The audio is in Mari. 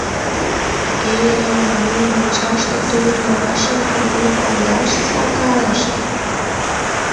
Э-э-э-э, мо, мончаште тувыр-йолашым кугу коҥгаш сакалышт.